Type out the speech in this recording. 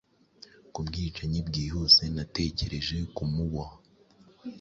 Ku bwicanyi byihuse natekereje kumuboha